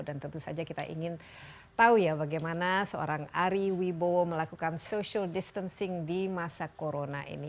dan tentu saja kita ingin tahu ya bagaimana seorang ari wibowo melakukan social distancing di masa corona ini